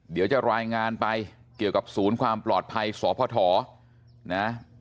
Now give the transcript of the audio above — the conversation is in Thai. เดี๋ยวจะรายงานไปเกี่ยวกับศูนย์ความปลอดภัยสพนะ